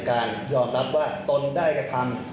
การยอมรับว่าตนได้กระทำ